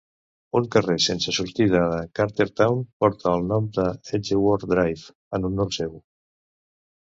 Un carrer sense sortida de Carterton porta el nom d'"Edgeworth Drive" en honor seu.